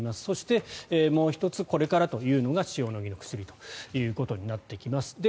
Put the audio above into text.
そして、もう１つこれからというのが塩野義の薬となってきます。